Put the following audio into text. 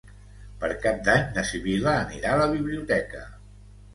Per Cap d'Any na Sibil·la anirà a la biblioteca.